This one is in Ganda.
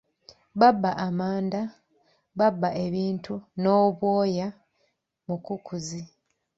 "Babba amanda, babba ebintu n’obwoya mu kukuuzi."